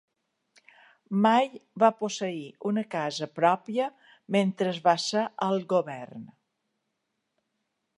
Mai va posseir una casa pròpia mentre va ser al govern.